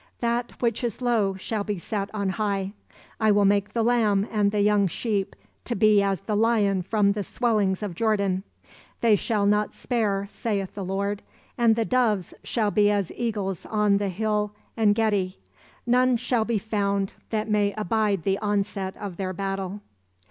That which is low shall be set on high; I will make the lamb and the young sheep to be as the lion from the swellings of Jordan; they shall not spare, saith the Lord, and the doves shall be as eagles on the hill Engedi; none shall be found that may abide the onset of their battle.